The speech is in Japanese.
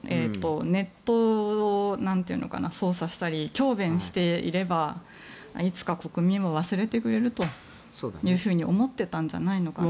ネットを操作したり強弁していればいつか国民は忘れてくれると思っていたんじゃないかなと。